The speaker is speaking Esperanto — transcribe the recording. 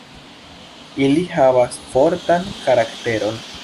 Ili havas fortan karakteron.